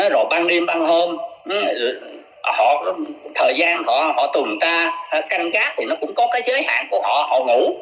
rồi ban đêm ban hôm thời gian họ tùm ra canh gác thì nó cũng có cái giới hạn của họ họ ngủ